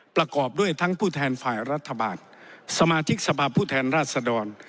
ประกอบด้วยทั้งผู้แทนฝ่ายรัฐบาลสมาชิกสภาพผู้แทนราชดร